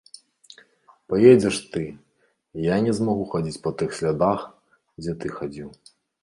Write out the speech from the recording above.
Паедзеш ты, я не змагу хадзіць па тых слядах, дзе ты хадзіў.